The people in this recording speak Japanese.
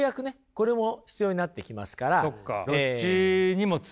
これも必要になってきますから。